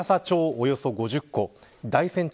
およそ５０戸大山町